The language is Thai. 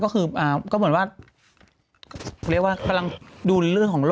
ถึงหรือไม่น่าจะถึง